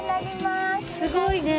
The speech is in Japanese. すごいね。